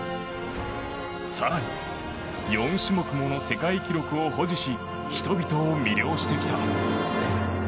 更に、４種目もの世界記録を保持し人々を魅了してきた。